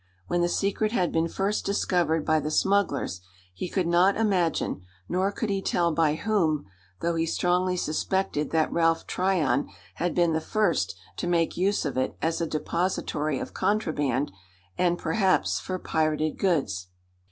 When the secret had been first discovered by the smugglers he could not imagine; nor could he tell by whom, though he strongly suspected that Ralph Tryon had been the first to make use of it as a depository of contraband, and, perhaps, for pirated goods.